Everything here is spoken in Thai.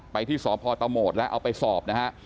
ที่สพตะโหมดแล้วเอาไปสอบนะฮะ